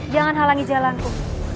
jangan halangi jalanku